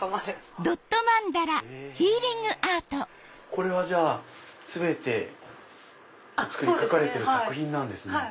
これはじゃあ全て描かれてる作品なんですね。